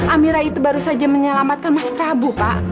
amira itu baru saja menyelamatkan mas prabu pak